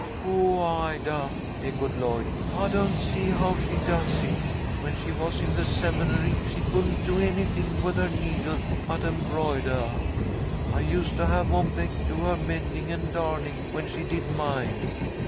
"Poah Ida!" echoed Lloyd. "I don't see how she does it. When she was in the Seminary, she couldn't do anything with her needle but embroidah. I used to have Mom Beck do her mending and darning when she did mine."